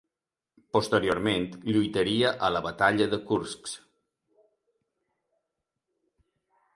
Posteriorment lluitaria a la batalla de Kursk.